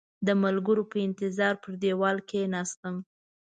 د ملګرو په انتظار پر دېوال کېناستم.